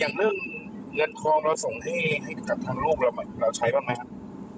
อย่างเรื่องเงินทองเราส่งให้กับทางลูกเราใช้บ้างไหมครับ